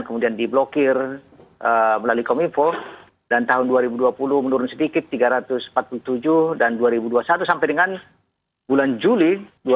kemudian diblokir melalui kominfo dan tahun dua ribu dua puluh menurun sedikit tiga ratus empat puluh tujuh dan dua ribu dua puluh satu sampai dengan bulan juli dua ribu dua puluh